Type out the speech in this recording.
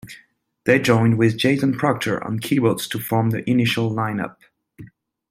They joined with Jason Proctor on keyboards to form the initial lineup.